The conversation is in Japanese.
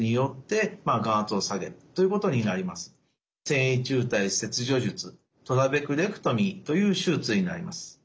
線維柱帯切除術トラベクレクトミーという手術になります。